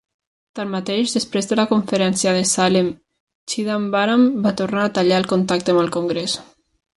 Tanmateix, després de la conferència de Salem, Chidambaram va tornar a tallar el contacte amb el Congrés.